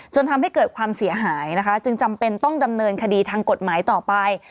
จนทำให้เกิดความเสียหายนะคะจึงจำเป็นต้องดำเนินคดีทางกฎหมายต่อไป